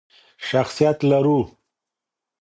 شخصیت لرو.